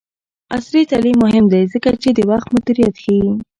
عصري تعلیم مهم دی ځکه چې د وخت مدیریت ښيي.